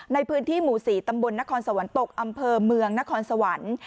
ในพื้นที่หมู่๔ตำบลนครสวรรค์ตกอำเภอเมืองนครสวรรค์